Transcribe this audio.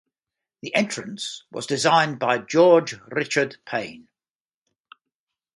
The entrance was designed by George Richard Pain.